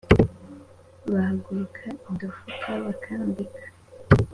bahaguruka i dofuka bakambika